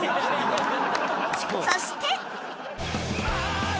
そして